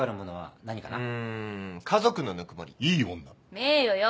名誉よ。